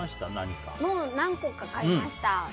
何個か買いました。